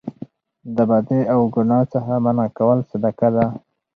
د بدۍ او ګناه څخه منع کول صدقه ده